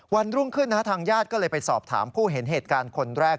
วันรุ่งขึ้นทางญาติก็เลยไปสอบถามผู้เห็นเหตุการณ์คนแรก